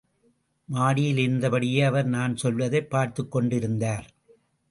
மாடியிலிருந்தபடியே அவர் நான் செல்வதைப் பார்த்துக்கொண்டிருந்தார்.